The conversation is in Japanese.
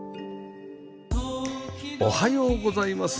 おはようございます。